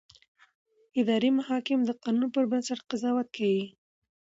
اداري محاکم د قانون پر بنسټ قضاوت کوي.